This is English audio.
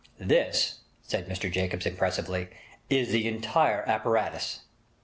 'This,' said Mr Jacobs impressively, 'is the entire apparatus!'